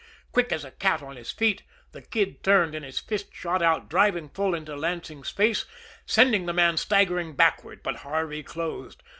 Quick as a cat on his feet, the Kid turned, and his fist shot out, driving full into Lansing's face, sending the man staggering backward but Harvey closed.